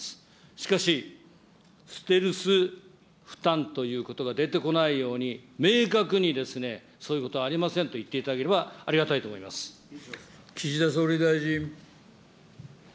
しかし、ステルス負担ということが出てこないように明確にですね、そういうことありませんと言っていただければありがたいと思いま岸田総理大臣。